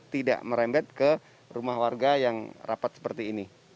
tidak merembet ke rumah warga yang rapat seperti ini